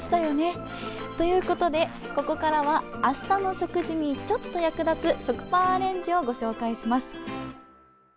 ということでここからは明日の食事にちょっと役立つ食パンアレンジをご紹介します。